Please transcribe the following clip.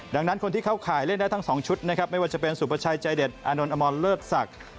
ดังนั้นคนที่เข้าข่ายเล่นได้ทั้งสองชุดนะครับไม่ว่าจะเป็นสุประชัยใจเด็ดอานนท์อมรเลิศศักดิ์